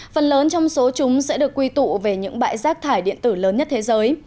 phần lớn trong số chúng sẽ được quy tụ về những bãi rác thải điện tử lớn nhất thế giới